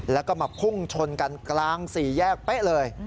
แล้วก็มาพุ่งชนกันกลางสี่แยกเป๊ะเลย